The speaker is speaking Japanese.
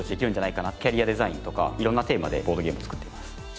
キャリアデザインとか色んなテーマでボードゲーム作ってます。